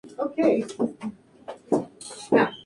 Las mutaciones del gen ras pueden producir este efecto activador.